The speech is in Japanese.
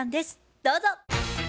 どうぞ。